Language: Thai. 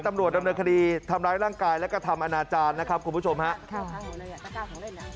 ตำรวจดำเนินคดีทำร้ายร่างกายและกระทำอนาจารย์นะครับคุณผู้ชมฮะค่ะ